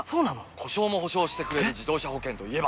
故障も補償してくれる自動車保険といえば？